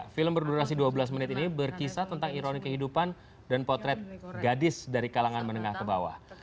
film berdurasi dua belas menit ini berkisah tentang ironi kehidupan dan potret gadis dari kalangan menengah ke bawah